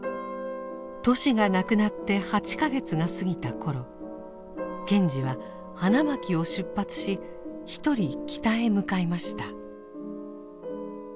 トシが亡くなって８か月が過ぎた頃賢治は花巻を出発し一人北へ向かいました。